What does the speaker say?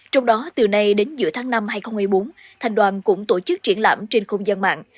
trong đó từ nay đến giữa tháng năm hai nghìn một mươi bốn thành đoàn cũng tổ chức triển lãm trên không gian mạng